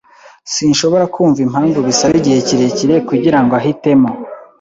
Sinshobora kumva impamvu bisaba igihe kirekire kugirango ahitemo.